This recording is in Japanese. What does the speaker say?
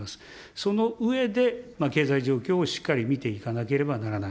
その上で、経済状況をしっかり見ていかなければならない。